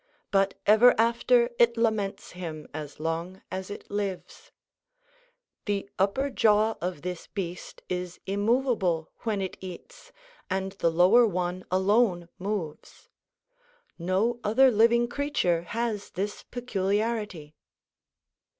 But ever after it laments him as long as it lives. The upper jaw of this beast is immovable when it eats, and the lower one alone moves. No other living creature has this peculiarity.